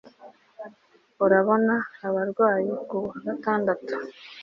Urabona abarwayi kuwagatandatu